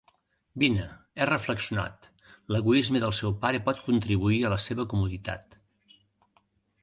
Vine, he reflexionat, l'egoisme del seu pare pot contribuir a la seva comoditat.